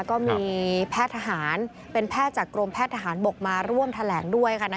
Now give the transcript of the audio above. ก็มีแพทย์ทหารเป็นแพทย์จากกรมแพทย์ทหารบกมาร่วมแถลงด้วยค่ะ